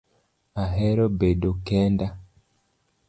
Ahero bedo kenda